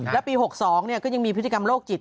แล้วปี๖๒ก็ยังมีพฤติกรรมโรคจิต